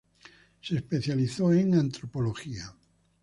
Se especializó en antropología.